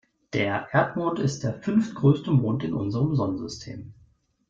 Der Erdmond ist der fünftgrößte Mond in unserem Sonnensystem.